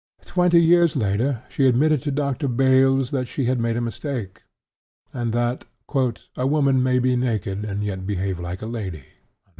Twenty years later she admitted to Dr. Baelz that she had made a mistake, and that "a woman may be naked and yet behave like a lady."